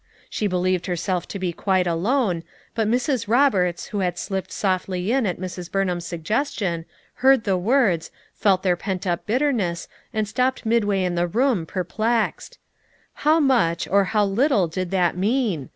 She believed herself to be quite alone, but Mrs. Roberts, who had slipped softly in at Mrs. Burnkain's suggestion, heard the words, felt their pent up bitterness and stopped midway in the room, perplexed. How much, or how little did that mean?